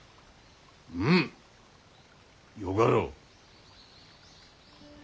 うんよかろう。